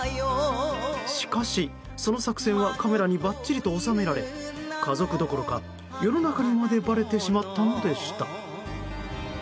しかし、その作戦はカメラにばっちりと収められ家族どころか世の中にまでばれてしまったのでした。